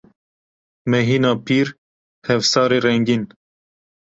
Mehîna pîr, hefsarê rengîn.